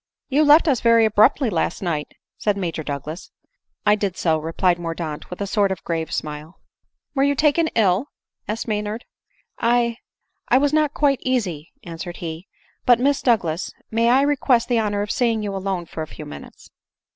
"You left us very abruptly last night," said Major Douglas. " I did so," replied Mordaunt with a sort of grave smile. " Were you taken ill ?" asked Maynard. " I — I was not quite easy," answered he ;" but, Miss Douglas, may I request the honor of seeing you alone for a few minutes